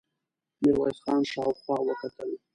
ميرويس خان شاوخوا وکتل.